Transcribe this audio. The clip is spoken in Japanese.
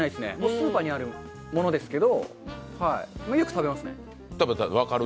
スーパーにあるものですけど、よく食べますね。